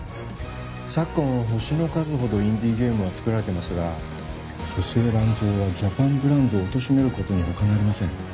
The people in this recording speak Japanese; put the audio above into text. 昨今は星の数ほどインディーゲームは作られてますが粗製乱造はジャパンブランドをおとしめることにほかなりません